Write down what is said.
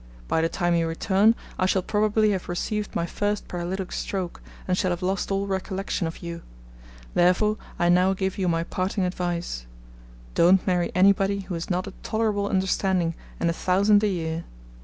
By the time you return, I shall probably have received my first paralytic stroke, and shall have lost all recollection of you. Therefore I now give you my parting advice don't marry anybody who has not a tolerable understanding and a thousand a year.